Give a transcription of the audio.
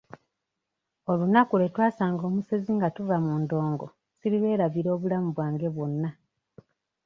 Olunaku lwe twasanga omusezi nga tuva mu ndongo sirirwerabira obulamu bwange bwonna.